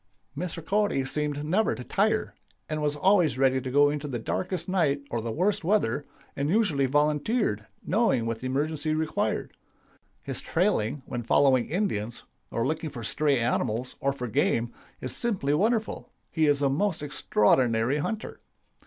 "Mr. Cody seemed never to tire, and was always ready to go in the darkest night or the worst weather, and usually volunteered, knowing what the emergency required. His trailing, when following Indians, or looking for stray animals, or for game, is simply wonderful. He is a most extraordinary hunter.